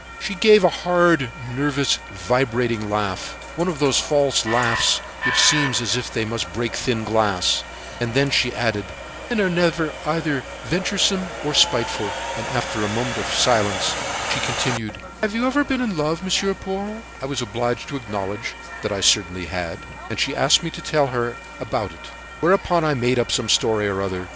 "She gave a hard, nervous, vibrating laugh; one of those false laughs which seem as if they must break thin glass, and then she added: 'Men are never either venturesome or spiteful.' And, after a moment's silence, she continued: 'Have you ever been in love, Monsieur Paul?' I was obliged to acknowledge that I certainly had, and she asked me to tell her all about it. Whereupon I made up some story or other.